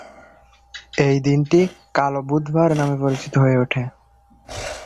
এই দিনটি "কালো বুধবার" নামে পরিচিত হয়ে ওঠে।